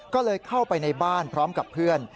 ก็เลยเข้าไปในบ้านพร้อมกับเพื่อน